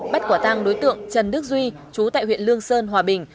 bắt quả tăng đối tượng trần đức duy chú tại huyện lương sơn hòa bình